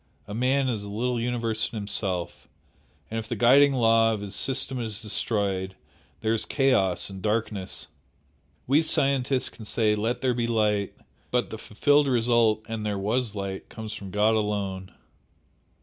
A man is a little universe in himself and if the guiding law of his system is destroyed, there is chaos and darkness. We scientists can say 'Let there be light,' but the fulfilled result 'and there was light' comes from God alone!"